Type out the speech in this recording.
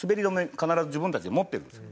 必ず自分たちで持ってるんですよ。